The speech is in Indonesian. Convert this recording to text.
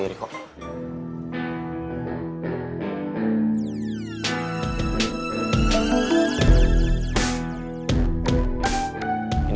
percayalah dia kali ini